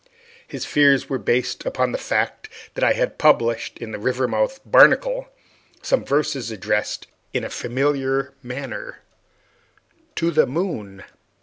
His fears were based upon the fact that I had published in the Rivermouth Barnacle some verses addressed in a familiar manner "To the Moon."